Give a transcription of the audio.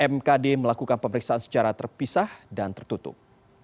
mkd melakukan pemeriksaan secara terpisah dan tertutup